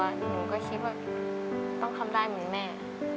หนูก็คิดว่าต้องทำได้เหมือนแม่